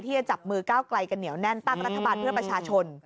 จะจับมือก้าวไกลกันเหนียวแน่นตั้งรัฐบาลเพื่อประชาชน